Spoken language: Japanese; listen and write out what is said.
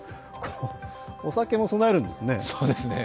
お酒も供えるんですね。